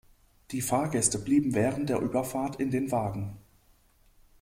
Die Fahrgäste blieben während der Überfahrt in den Wagen.